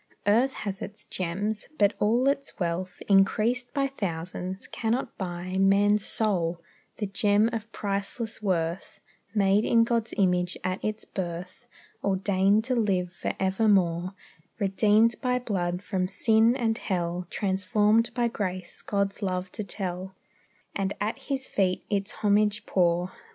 Earth has its gems; but all its wealth, Increased by thousands, cannot buy Man's soul, the gem of priceless worth, Made in God's image at its birth; Ordained to live for evermore; Redeemed by blood from sin and hell; Transformed by grace, God's love to tell; And at His feet its homage pour.